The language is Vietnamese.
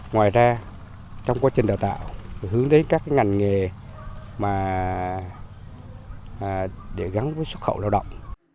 ngoài ra trong quá trình đào tạo hướng đến các ngành nghề mà để gắn với xuất khẩu lao động